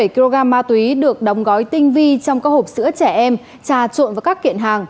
một trăm hai mươi bảy kg ma túy được đóng gói tinh vi trong các hộp sữa trẻ em trà trộn và các kiện hàng